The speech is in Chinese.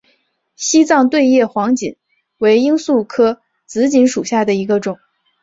西藏对叶黄堇为罂粟科紫堇属下的一个种。